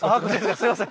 すみません。